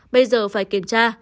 bây giờ phải kiểm tra